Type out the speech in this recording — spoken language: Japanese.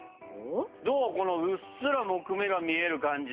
どうこのうっすら木目が見える感じ。